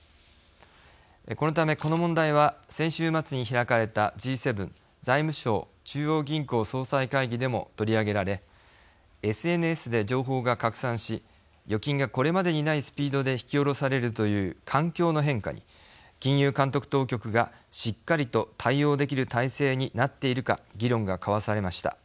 このためこの問題は先週末に開かれたＧ７財務相・中央銀行総裁会議でも取り上げられＳＮＳで情報が拡散し預金がこれまでにないスピードで引き下ろされるという環境の変化に金融監督当局がしっかりと対応できる体制になっているか議論が交わされました。